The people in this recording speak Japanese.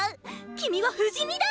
君は不死身だ！